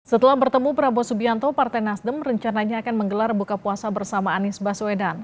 setelah bertemu prabowo subianto partai nasdem rencananya akan menggelar buka puasa bersama anies baswedan